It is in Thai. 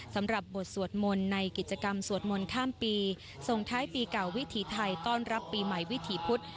สำหรับบทสวดมนต์ในกิจกรรมสวดมนต์ข้ามปีส่งท้ายปีเก่าวิถีไทยต้อนรับปีใหม่วิถีพุธ